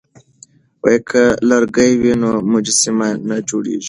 که لرګی وي نو مجسمه نه نړیږي.